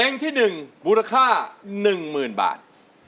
เพลงที่หนึ่งบูรค่า๑หมื่นบาท